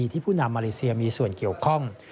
ผู้นำมาเลเซียมีส่วนเกี่ยวข้อง